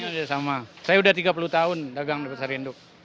jualannya juga sama saya sudah tiga puluh tahun dagang daftar rindu